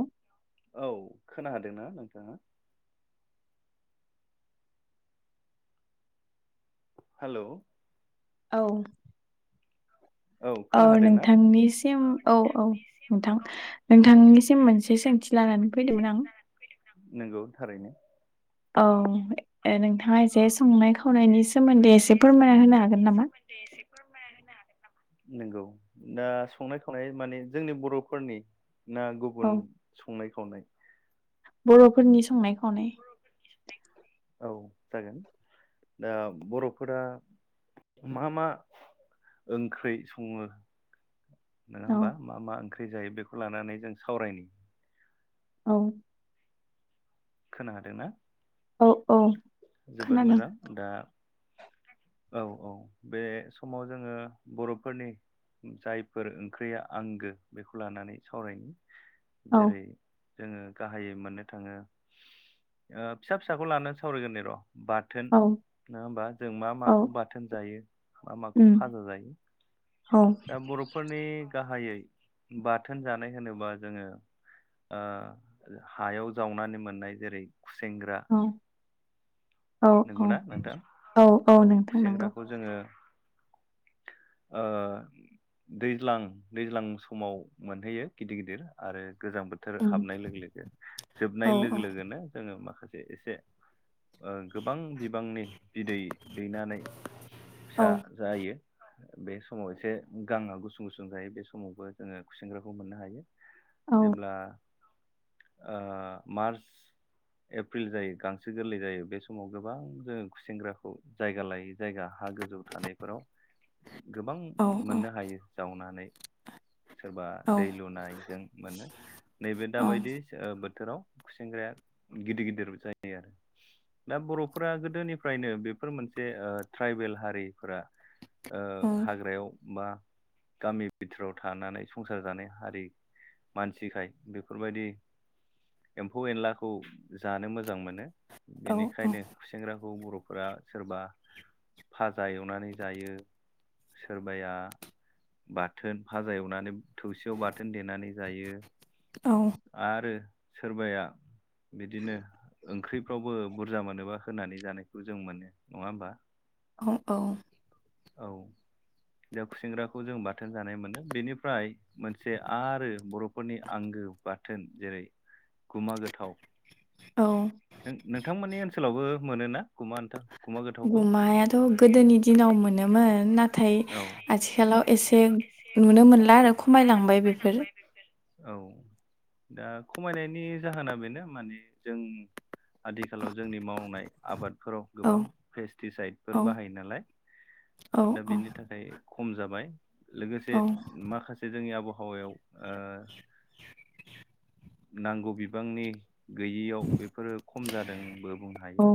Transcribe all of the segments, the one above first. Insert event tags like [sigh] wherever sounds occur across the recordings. औ औ खोना हादोंना नोंथाङा? हेलौ औ। औ नोंथांनिसिम औ औ नोंथां। नोंथांनिसिम मोनसे सोंथि लानानै फैदोंमोन आं? नंगौ थारैनो। औ ए नोंथाङा एसे संनाय खावनायनि सोमोन्दै एसे फोरमायना होनो हागोन सोंनायनि नामा सोमोन्दै एसे फोरमायना होनो हागोन? नंगौ दा संनाय खावनाय माने जोंनि बर'फोरनि ना औ गुबुन संनाय खावनाय? बर'फोरनि संनाय खावनाय। औ जागोन दा बर'फोरा मा मा ओंख्रि सङो। नङा औ होमबा मा मा ओंख्रि जायो बेखौ लानानै जों सावरायनि। औ। खोना हादोंना? औ औ। जोबोद खोनादों मोजां दा [inaudible] औ औ बे समाव जोङो बर'फोरनि जायफोर ओंख्रिया आंगो बेखौ लानानै सावरायनि औ जेरै जोङो गाहायै मोननो थाङो ओ फिसा फिसाखौ लानानै सावरायगोरनि र'। बाथोन औ नङा होमबा जों मा औ माखौ बाथोन जायो। मा माखौ उम फाजा जायो औ दा बर'फोरनि गाहायै बाथोन जानाय होनोबा जोङो आ हायाव जावनानै मोननाय जेरै खुसेेंग्रा। औ औ औ औ औ नोंथां नंगौ। खुसेंग्राखौ जोङो ओ दैज्लां दैज्लां समाव मोनहैयो गिदिर गिदिर आरो गोजां बोथोर उम हाबनाय लोगो लोगो औ जोबनाय औ लोगो लोगोनो जोङो माखासे एसे ओ गोबां बिबांनि बिदै दैनानै औ फिसा जायो। बे समाव एसे गांङा गुसुं गुसुं जायो बे समावबो जोङो खुसेंग्राखौ मोननो हायो। औ जेब्ला ओ मार्च एप्रिल जायो गांसो गोरलै जायो बे स समाव गोबां जोंङो खुसेंग्राखौ जायगा लायै जायगा हा गोजौ थानायफोराव गोबां औ मोननो हायो जावनानै। सोरबा औ दै लुनायजों मोनो नैबे औ दाबायदि बोथोराव खुसेग्राया गिदिर गिदिर जायो आरो। दा बर'फोरा गोदोनिफ्रायनो बेफोर मोनसे ट्राइबेल हारिफोरा ओ हाग्रायाव बा गामि बिथोराव थानानै संसार जानाय हारि मानसिखाय बेफोरबायदि एम्फौ एनलाखौ जानो मोजां मोनो। औ। ओंखायनो सेंग्राखौ बर'फोरा सोरबा फाजा एवनानै जायो। सोरबाया बाथोन फाजा एवनानै थौसियाव बाथोन देनानै जायो। आरो सोरबाया बिदिनो ओंख्रि खौबो बुरजा मोनोबा होनानै जानायखौ जों मोनो नङा होमबा। औ औ। औ। खुसेंग्राखौ जों बाथोन जानाय मोनो बेनिफ्राय मोनसे आरो बर'फोरनि आंगो गो बाथोन जेरै गुमा गोथाव औ नोंथांमोननि ओनसोलावबो मोनोना? गुमा नोंथां गुमा गोथावखौ? गुमायाथ' गोदोनि दिनाव मोनोमोन नाथाय औ आथिखालाव एसे नुनो मोनला आरो खमायलांबाय बेफोर औ। दा खमायनायनि जाहोना बेनो माने जों आथिखालाव जोंनि मावनाय आबाद फोराव औ गोबां पेस्टिसाइफोर औ बाहायो नालाय औ दा बेनि थाखाय खम जा बाय लोगोसे औ माखासे जोंनि आबहावायाव ओ नांगौ बिबांनि गैयियाव बेफोरो खम जादोंबो बुंनो हायो। औ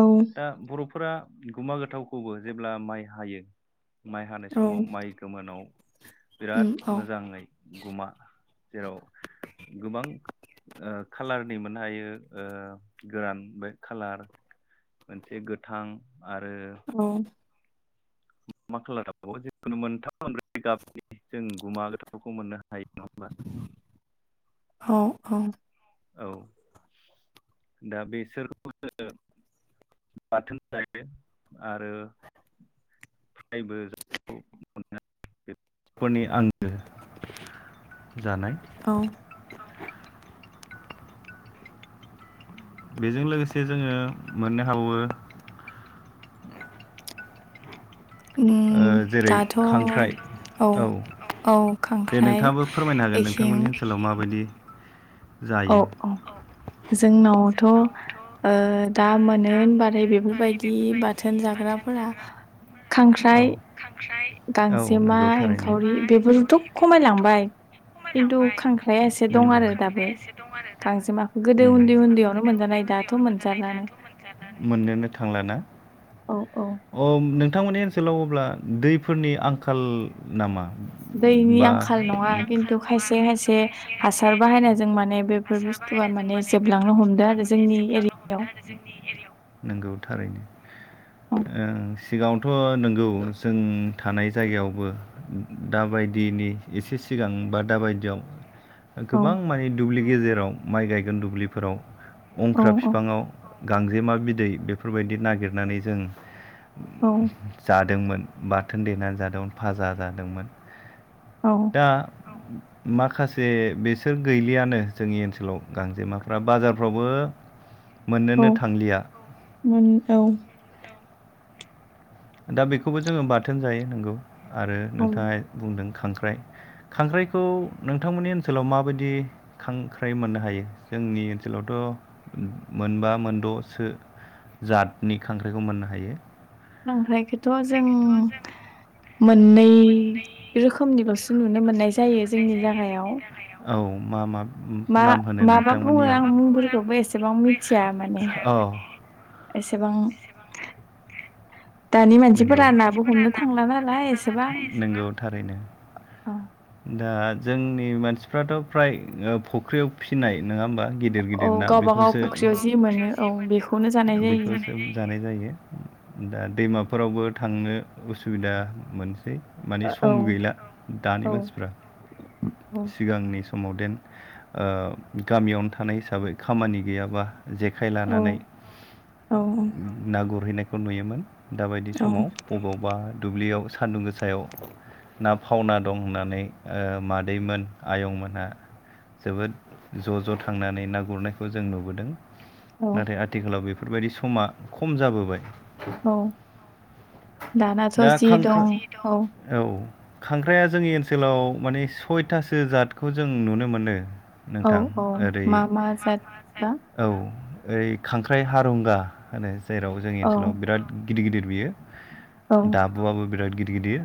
औ दा बर'फोरा गुमा गोथावखौबो जेब्ला माइ हायो माइ हानाय औ समाव माइ गोमोनाव उम बिराद औ मोजाङै गुमा जेराव गोबां ओ खालारनिमोन हायो गोरान बे खालार मोनसे गोथां आरो औ मा खालारा [unintelligible] जिखुनु मोनथाम मोनब्रै गाबनि जों गुमा गोथावखौ मोननो हायो नङा होमबा औ औ औ दा बेसोर बाथोन जायो आरो [unintelligible] बेफोरनि आंगो जानाय औ बेजों लोगोसे जोंङो मोननो हाबावो उम ओ जेरै दाथ' खांख्राइ औ औ दे खांख्राइ नोंथाङाबो फोरमायनो हागोन एखिं नोंथांमोननि ओनसोलाव माबायदि औ जायो औ जोंनावथ' ओ दा मोनो होनबाथाय बेफोरबायदि बाथोन जाग्राफोरा खांख्राइ औ औ गांजेमा नंगौ थारैनो एंखावरि बेफोरखौथ' खमायलांबाय खिन्थु खांख्राया एसे दं आरो दाबो। गांजेमाखौ उन्दै उन्दैयावनो गोदो उन्दै मोनजानाय दाथ' उन्दैयावनो मोनजानाय मोनजालानो दाथ' मोनजा लानो। मोननोनो थांलाना औ औ अ नोंथांमोननि ओनसोलाव अब्ला दैफोरनि आंखाल नामा? दैनि बा आंखाल नङा खिन्थु खायसे खायसे हासार बाहायनायजों माने बेफोर हासार बुस्थुआ बाहायनायजों माने बेफोर जोबलांनो हमदों बुस्थुआ आरो माने जोंनि जोबलांनो एरियायाव हमदों आरो जोंनि एरियायाव। नंगौ थारैनो। औ ओ सिगाङावथ' नंगौ जों थानाय जायगायावबो दाबायदिनि एसे सिगां बा दा बायदियाव गोबां औ माने दुब्लि गेजेराव माइ गायगोन दुब्लिफोराव अंख्रा औ फिफाङाव गांजेमा बिदै बेफोरबायदि नागिरनानै जों औ जादोंमोन। बाथोन देना जादोंमोन भाजा जादोंमोन। औ दा माखासे बेसोर गैलियानो। जोंनि ओनसोलाव गांजेमाफ्रा बाजारफ्रावबो औ मोननोनो थांलिया। मोन औ। दा बेखौबो जोङो बाथोन जायो नंगौ आरो औ नोंथाङा बुंदों खांख्राइ खांख्राइखौ नोंथांमोननि ओनसोलाव माबायदि खांख्राइ मोननो हायो? जोंनि ओनसोलावथ' मोनबा मोनद'सो जातनि खांख्राइखौ मोननो हायो। खांख्रायखौथ' जों मोननै रोख खोमनिल'सो नुनो मोननाय जायो जोंनि जागायाव। औ मा मा मा नाम होनो माबा बुङो नोंथांमोननियाव आं मुंफोरखौबो एसेबां मिथिया माने। औ एसेबां दानि नंगौ। मानसिफोरा दानि नाबो मानसिफोरा हमनो नाबो थांला गुरनो थांला नालाय एसेबां। नंगौ थारैनो। औ दा जोंनि मानसिफ्राथ' फ्राय फुख्रियाव फिसिनाय नङा होमबा? गिदिर औ गिदिर ना गावबा गाव बेखौसो फुख्रियाव जि मोनो औ बेखौनो जानाय [unintelligible] जायो बेखौसो जानाय जायो। दा दैमाफोरावबो थांनो उसुबिदा मोनसै। माने ओ सम गैला दानि औ मानसिफ्रा। औ सिगांनि समाव देन ओ गामियावनो थानाय हिसाबै खामानि गैयाबा जेखाइ औ लानानै औ ना गुरहैनायखौ नुयोमोन। दाबायदि औ समाव बबावबा दुब्लियाव सान्दुं गोसायाव ना फावना दं होननानै ओ मादैमोन आयंमोनहा जोबोद ज' ज' थांनानै ना गुरनायखौ जों नुबोदों। औ नाथाय आथिखालाव बेफोरबायदि समा खम जाबोबाय। औ दानाथ' जि दं औ खांख्राइया जोंनि ओनसोलाव माने सयथासो जातखौ जों नुनो मोनो। औ नोंथां औ ओरै मा मा जाद बा औ ओरै खांख्राइ हारुंगा होनो जेराव जोंनि औ ओनसोलाव बिराद गिदिर गिदिर बियो। औ दाबुआबो बिराद गिदिर गिदिर।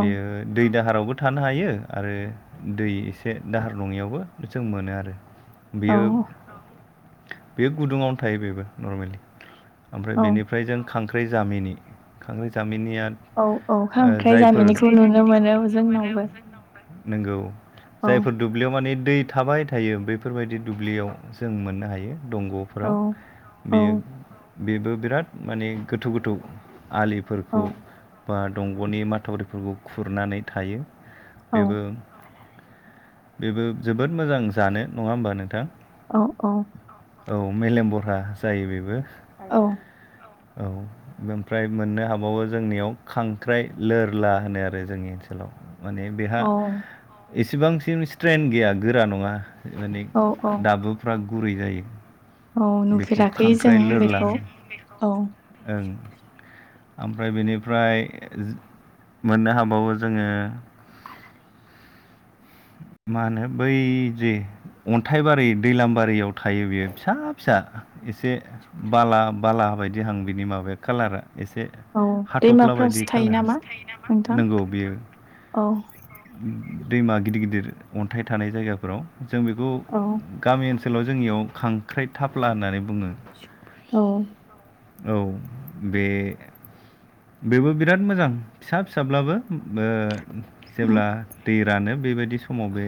बेयो दै दाहारावबो थानो हायो आरो दै एसे दाहार नङियावबो जों मोनो आरो औ बेयो बेयो गुदुङावनो थायो बेबो नरमेलि ओमफ्राय औ बेनिफ्राय जों खांख्राइ जामिनि। खांख्राइ जामिनि औ औ खांख्राइ जामिनिखौ नुनो मोनो जोंनावबो। नंगौ औ जायफोर दुब्लियाव माने दै थाबाय थायो बेफोरबायदि दुब्लियाव जों मोननो हायो। औ दंग'फोराव औ बेयो बेबो बिराद माने गोथौ गोथौ औ आलिफोरखौ बा दंग'नि माथावरिफोरखौ खुरनानै थायो। औ बेबो बेबो जोबोद मोजां जानो। नङा होमबा नोंथां? औ औ। औ मेलेम बरहा जायो बेबो। औ ओमफ्राय मोननो हाबावो जोंनियाव खांख्राइ लोरला होनो आरो जोंनि ओनसोलाव। माने बेहा औ इसेबांसिम स्ट्रेन गैया गोरा नङा। माने औ औ दाबोफ्रा गुरै जायो। औ बेखौ नुफेराखै जों खांख्राइ लोरला बेखौ होनो औ ओं। ओमफ्राय बेनिफ्राय मोननो हाबावो जोङो [inaudible] मा होनो बै जे अन्थाइबारि दैलाम बारियाव थायो बियो फिसा फिसा एसे बाला बाला बायदिहां बिनि माबाया कालारा एसे औ हाथ'फ्ला दैमाफ्रावसो बायदि थायो खालार नामा नोंथां नोंगौ बियो औ दैमा गिदिर गिदिर अन्थाइ थानाय जायगाफोराव जों बेखौ औ गामि ओनस सोलाव जोंनियाव खांख्राइ थाफ्ला होननानै बुङो। औ औ बे बेबो बिराद मोजां फिसा फिसाब्लाबो बो उम जेब्ला दै [unintelligible] नो बेबायदि समाव बे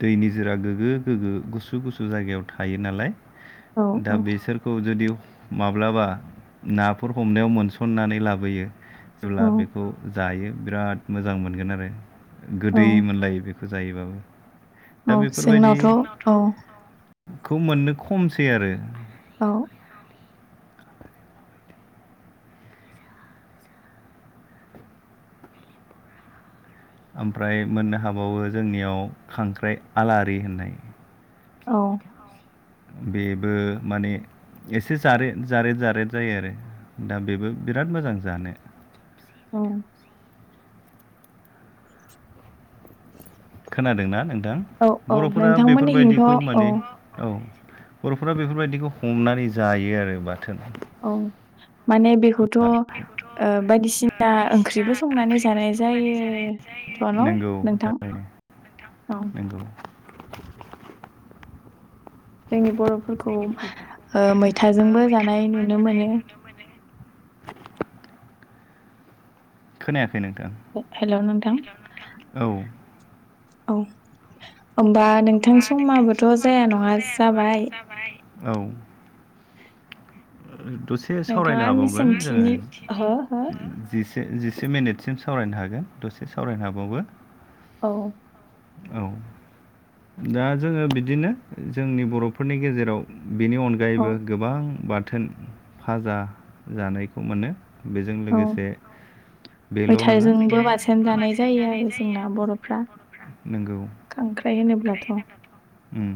दैनि जोरा गोगो गोग्गो गुसु गुसु जायगायाव थां थायो नालाय औ दा औ बेसोरखौ जुदि [unintelligible] माब्लाबा नाफोर हमनायाव मोनसननानै लाबोयो जेब्ला औ बेखौ जायो बिराद मोजां मोनगोन आरो औ गोदै मोनलायो बेख खौ जायोबाबो दा औ बेफोरबायदि जोंनावथ' औ खौ मोननो खमसै आरो औ ओमफ्राय मोननो हाबावो जोंनियाव खांख्राइ आलारि होननाय औ बेबो माने एसे जारे जारेद जारेद जायो आरो दा बेबो बिराद मोजां जानो औ खोनादोंना नोंथां औ औ बर'फोरा नोंथांमोननिथिंथ' बेफोरबायदिखौ औ माने औ बर'फोरा बेफोरबायदिखौ हमनानै जायो आरो बा औ माने बेखौथ' ओ बायदिसिना ओंख्रिबो संनानै ज जानाय जायोथ' जायो। न' नंगौ नोंथां थारैनो औ नंगौ जोंनि बर'फोरखौ ओ मैथाजोंबो जानाय नुनो मोनो। [inaudible] खोनाया हे हेलौ नोंथां औ औ ओमबा नोंथां समाबोथ' जाया नङा जाबाय औ उम दसे नोंथाङा सावरायनो आंनि हाबावगोन सोंथिनि हो हो जोङो जिस से मेनेटसिम सावरायनो हागोन दसे सावरायनो हाबावो औ औ दा जोङो बिदिनो जोंनि बर'फोरनि गेजेराव बेनि औ अनगायैबो गोबां बाथोन भाजा जानायखौ मोनो। बेजों औ लोगोसे बेल' नङा मैथाजोंबो बांसिन जानाय जायो आरो जोंना बर'फ्रा नोंगौ खांख्राइ होनोब्लाथ' उम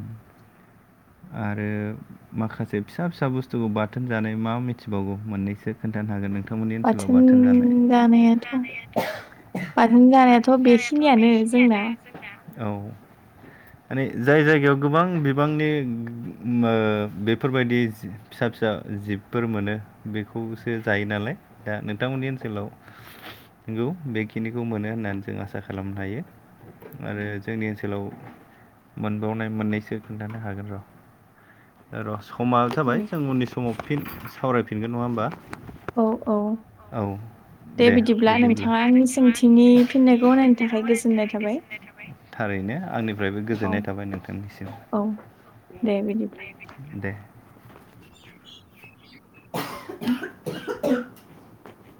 आरो माखासे फिसा फिसा बुस्थुखौ बाथोन जानाय मा मिनथिबावगौ मोननैसो खोन थानो हागोन नोंथ बाथोन जानायाथ' बाथोन जानायाथ थ' बेखिनियानो जोंना औ माने जाय जायगायाव गोबां बिबांनि [unintelligible] मो बेफोरबायदि फिसा फिसा जिबफोर मोनो बेखौसो जायो नालाय दा नोंथांमोननि ओनसोलाव नंगौ बेखिनिखौ मोनो होननानै जों आसा खालामनो हायो। आरो जोंनि ओनसोलाव मोनबावनाय मोननैसो खोन्थानो हागोन र' र समा जाबाय दे जों उननि समाव फिन सावरायफिनगोन नङा होमबा औ औ औ दे बिदिब्ला नोंथाङा आंनि सोंथिनि फिननायखौ होनायनि थाखाय गोजोननाय थाबाय थारैनो आंनिफ्रायबो औ गोजोननाय थाबाय नोंथांनिसिम औ दे बिनिब्ला दे [inaudible] [inaudible]